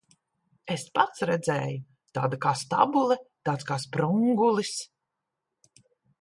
Es pats redzēju. Tāda kā stabule, tāds kā sprungulis.